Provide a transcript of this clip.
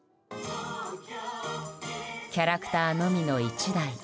キャラクターのみの１台。